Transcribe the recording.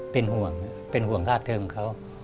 เป็นห่วงค่าเทิมเขา